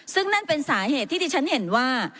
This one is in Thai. ซึ่งนั่นเป็นสาเหตุที่ที่ฉันเห็นว่า